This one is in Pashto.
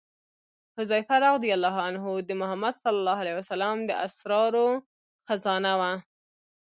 حذیفه رض د محمد صلی الله علیه وسلم د اسرارو خزانه وه.